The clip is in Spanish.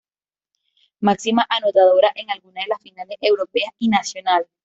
Máxima anotadora en alguna de las finales europeas y nacionales.